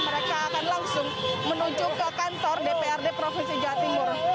mereka akan langsung menuju ke kantor dprd provinsi jawa timur